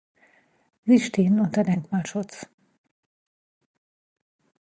Sie stehen unter Denkmalschutz.